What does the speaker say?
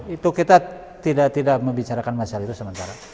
itu kita tidak membicarakan masalah itu sementara